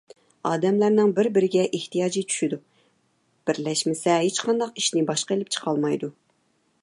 ئادەملەرنىڭ بىر - بىرىگە ئېھتىياجى چۈشىدۇ، بىرلەشمىسە، ھېچقانداق ئىشنى باشقا ئېلىپ چىقالمايدۇ.